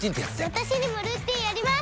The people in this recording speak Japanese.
私にもルーティンあります！